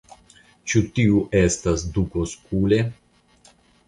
Ĉu tiu estas duko Skule?